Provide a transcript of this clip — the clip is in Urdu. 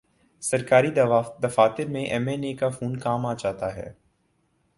سرکاری دفاتر میں ایم این اے کا فون کام آجا تا ہے۔